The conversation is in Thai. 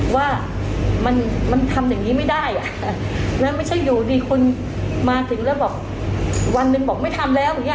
ว่ามันมันทำอย่างนี้ไม่ได้แล้วไม่ใช่อยู่ดีคนมาถึงแล้วบอกวันหนึ่งบอกไม่ทำแล้วอย่างเงี้